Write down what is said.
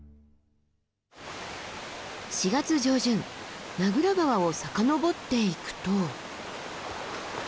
４月上旬名蔵川を遡っていくと。